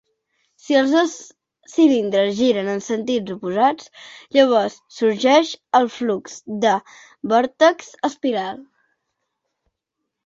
Si els dos cilindres giren en sentits oposats, llavors sorgeix el flux de vòrtex espiral.